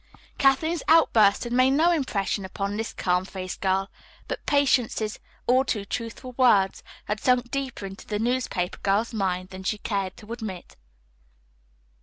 Kathleen's outburst had made no impression upon this calm faced girl, but Patience's all too truthful words had sunk deeper into the newspaper girl's mind than she cared to admit.